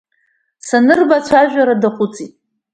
Санырба ацәажәара даҟәыҵит.